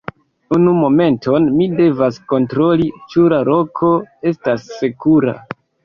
Unu momenton mi devas kontroli ĉu la loko estas sekura.